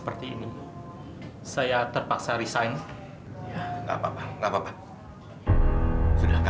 pegang dia pegang dia